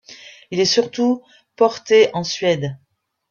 Il est surtout porté en Suède.